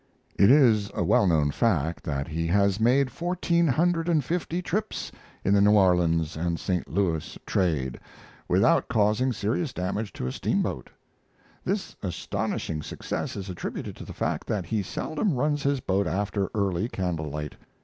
It is a well known fact that he has made fourteen hundred and fifty trips in the New Orleans and St. Louis trade without causing serious damage to a steamboat. This astonishing success is attributed to the fact that he seldom runs his boat after early candle light.